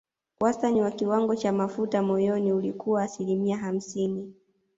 Wastani wa kiwango cha mafuta moyoni ulikuwa asilimia hamsini